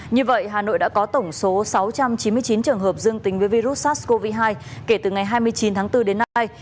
như vậy hà nội đã có tổng số sáu trăm chín mươi chín trường hợp dương tính với virus sars cov hai kể từ ngày hai mươi chín tháng bốn đến nay